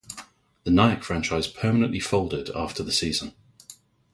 The Nyak franchise permanently folded after the season.